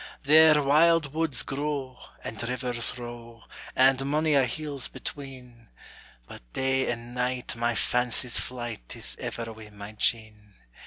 There wild woods grow, and rivers row, And monie a hill's between; But day and night my fancy's flight Is ever wi' my Jean.